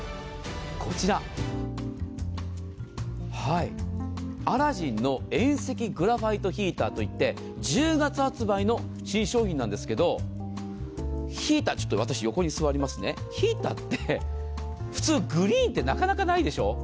こちら、アラジンの遠赤グラファイトヒーターといって１０月発売の新商品なんですけど、ヒーターって、普通グリーンってなかなかないでしょう。